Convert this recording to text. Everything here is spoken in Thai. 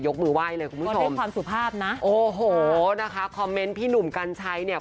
ยกมือไหว้เลยคุณผู้ชมโอ้โหคอมเมนต์พี่หนุ่มกันใช้เนี่ย